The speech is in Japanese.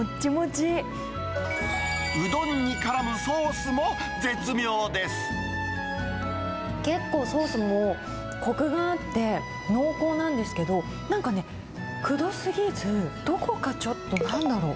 うどんにからむソースも絶妙結構ソースもこくがあって、濃厚なんですけど、なんかね、くどすぎず、どこかちょっと、なんだろう。